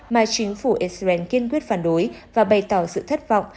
mà chính phủ israel kiên quyết phản đối và bày tỏ sự thất vọng